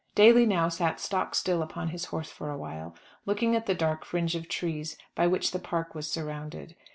Daly now sat stock still upon his horse for awhile, looking at the dark fringe of trees by which the park was surrounded.